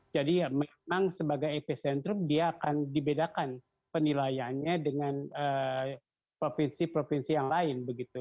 jadi memang sebagai epicentrum dia akan dibedakan penilaiannya dengan provinsi provinsi yang lain